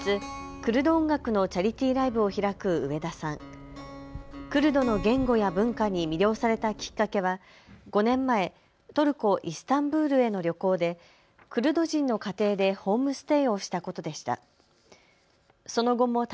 クルドの言語や文化に魅了されたきっかけは５年前、トルコ・イスタンブールへの旅行でクルド人の家庭でホームステイをしたことでした。